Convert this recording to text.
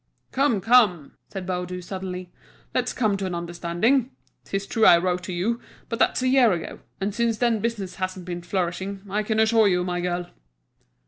"Come, come," said Baudu suddenly, "let's come to an understanding. 'Tis true I wrote to you, but that's a year ago, and since then business hasn't been flourishing, I can assure you, my girl."